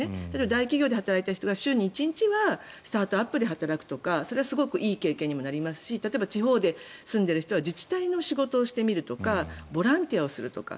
大企業で働いている人が週に１回はスタートアップで働くとかそれはすごくいい経験にもなりますし例えば地方に住んでいる人は自治体の仕事をしてみるとかボランティアをするとか。